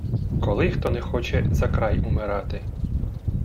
Коли хто не хоче за край умирати